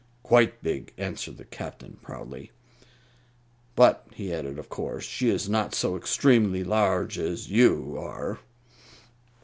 "Quite big," answered the Captain, proudly. "But," he added, "of course she is not so extremely large as you are."